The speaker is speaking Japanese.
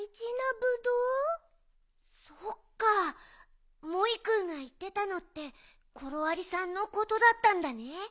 そっかモイくんがいってたのってコロありさんのことだったんだね。